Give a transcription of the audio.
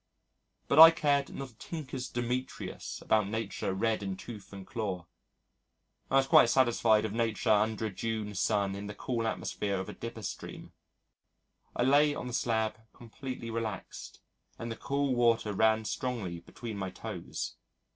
But I cared not a tinker's Demetrius about Nature red in tooth and claw. I was quite satisfied with Nature under a June sun in the cool atmosphere of a Dipper stream. I lay on the slab completely relaxed, and the cool water ran strongly between my toes.